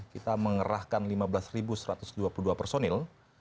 kita mengerahkan lima belas satu ratus dua puluh dua personil